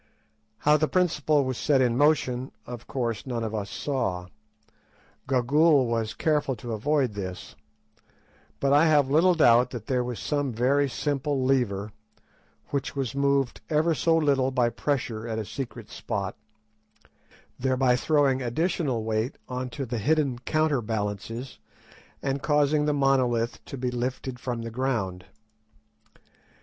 How the principle was set in motion, of course none of us saw; Gagool was careful to avoid this; but I have little doubt that there was some very simple lever, which was moved ever so little by pressure at a secret spot, thereby throwing additional weight on to the hidden counter balances, and causing the monolith to be lifted from the ground.